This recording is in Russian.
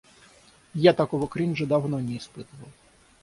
Я такого кринжа давно не испытывал.